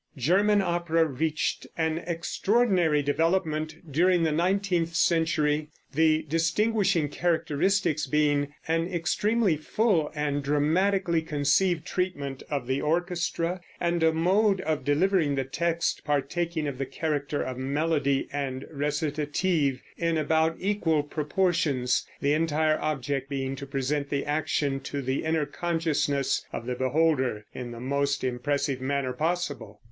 German opera reached an extraordinary development during the nineteenth century, the distinguishing characteristics being an extremely full and dramatically conceived treatment of the orchestra, and a mode of delivering the text partaking of the character of melody and recitative in about equal proportions, the entire object being to present the action to the inner consciousness of the beholder in the most impressive manner possible.